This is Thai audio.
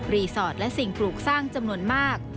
สอดและสิ่งปลูกสร้างจำนวนมาก